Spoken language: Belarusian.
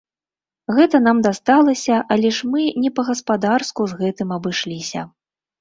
Гэта нам дасталася, але ж мы не па-гаспадарску з гэтым абышліся.